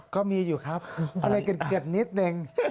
ก็มีอยู่ครับอะไรเกลียดนิดนึง